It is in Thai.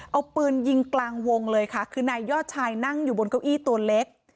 เอาปืนยิงกลางวงเลยค่ะคือนายยอดชายนั่งอยู่บนเก้าอี้ตัวเล็ก